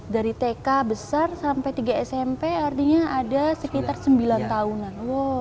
dari tk besar sampai tiga smp artinya ada sekitar sembilan tahunan